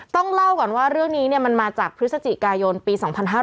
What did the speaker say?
ต้องเล่าก่อนว่าเรื่องนี้มันมาจากพฤศจิกายนปี๒๕๕๙